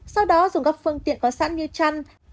sau đó dùng các phương tiện có sẵn như chăn